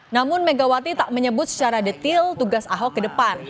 namun megawati tak menyebut secara detail tugas ahok ke depan